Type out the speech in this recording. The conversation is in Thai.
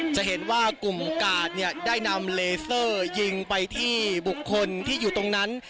จะเห็นว่ากลุ่มกาดเนี่ยได้นำเลเซอร์ยิงไปที่บุคคลที่อยู่ตรงนั้น